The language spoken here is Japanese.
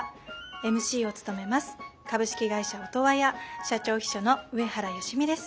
ＭＣを務めます株式会社オトワヤ社長秘書の上原芳美です。